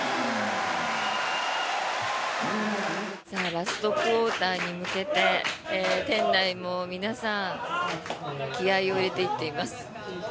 ラストクオーターに向けて店内も皆さん気合を入れていっています。